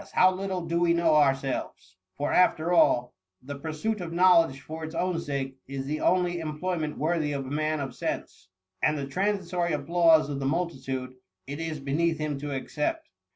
how little do we know ourselves, for after all, the pursuit of knowledge for its own sake is the only employment worthy of a man of sense: and the transitory applause of the multitude, it is beneath him to accept.